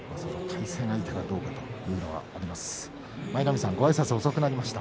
対戦相手がどうかというのはあります。